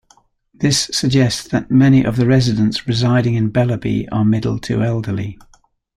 This suggests that many of the residents residing in Bellerby are middle to elderly.